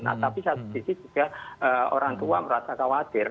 nah tapi satu sisi juga orang tua merasa khawatir